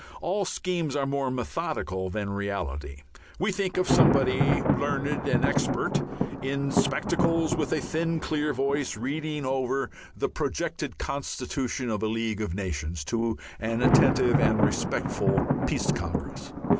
All schemes are more methodical than reality. We think of somebody, learned and "expert," in spectacles, with a thin clear voice, reading over the "Projected Constitution of a League of Nations" to an attentive and respectful Peace Congress.